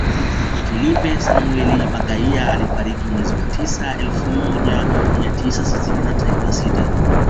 Filipe Samuel Magaia alifariki mwezi wa tisa elfu moja mia tisa sitini na sita